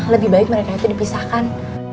lebih baik mereka itu dipisahkan